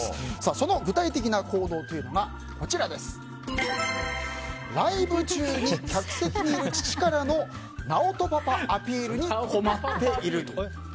その具体的な行動というのがライブ中に客席にいる父からのＮＡＯＴＯパパアピールに困っていると。